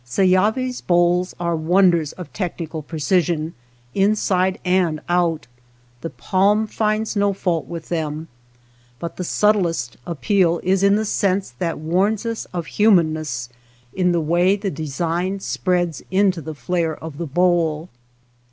Seyavis bowls are wonders of technical precision, inside and out, the palm finds no fault with them, but the subtlest appeal is in the sense that warns us of humanness in the way the design spreads into the flare of the bowl.